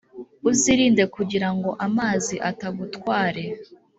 uzirinde kugira ngo amazi atagutware